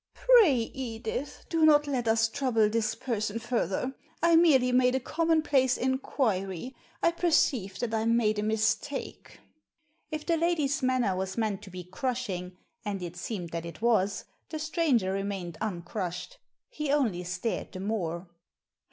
"Pray, Edith, do not let us trouble this person further. I merely made a commonplace inquiry. I perceive that I made a mistake." Digitized by VjOOQIC THE DUKE 299 If the lady's manner was meant to be crushing — and it seemed that it was — the stranger remained uncrushed. He only stared the more.